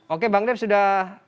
oke bang dev sudah